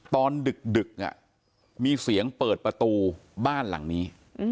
ดึกมีเสียงเปิดประตูบ้านหลังนี้